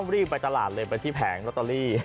รีบไปตลาดเลยไปที่แผงลอตเตอรี่